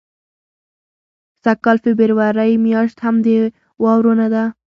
سږ کال فبرورۍ میاشت هم بې واورو نه ده.